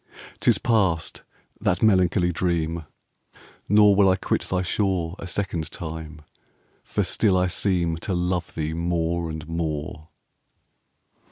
'Tis past, that melancholy dream! 5 Nor will I quit thy shore A second time; for still I seem To love thee more and more.